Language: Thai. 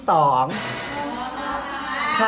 พร้อมครับค่ะ